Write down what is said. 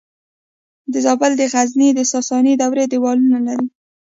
د زابل د غزنیې د ساساني دورې دیوالونه لري